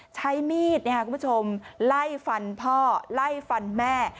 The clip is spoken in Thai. ใช้มีดคุณผู้ชมไล่ฟันพ่อไล่ฟันแม่